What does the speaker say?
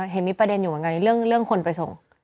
เห็นมีประเด็นอยู่เหมือนกันเรื่องคนไปส่ง